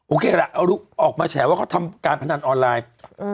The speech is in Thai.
โอเคแหละเอาลูกออกมาแชร์ว่าเขาทำการพนันออนไลน์